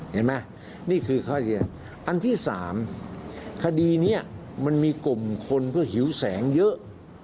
เห็นมั้ยนี่คือข้อเชื่ออันที่สามคดีเนี่ยมันมีกลมคนก็หิวแสงเยอะ